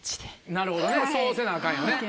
なるほどそうせなアカンよね。